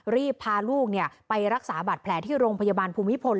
รีบพาลูกไปรักษาบัตรแผลที่โรงพยาบาลภูมิพล